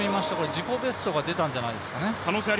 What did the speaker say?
自己ベストが出たんじゃないですかね。